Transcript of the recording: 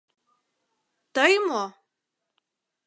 Тый мо?